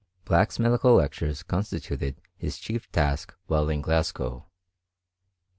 Black's medical lectures constituted his chk while in Glasgow.